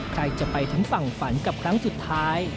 ใครจะไปถึงฝั่งฝันกับครั้งสุดท้าย